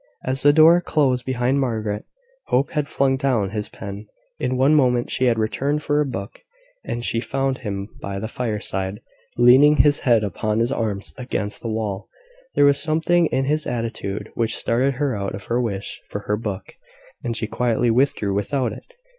As the door closed behind Margaret, Hope had flung down his pen. In one moment she had returned for a book; and she found him by the fireside, leaning his head upon his arms against the wall. There was something in his attitude which startled her out of her wish for her book, and she quietly withdrew without it.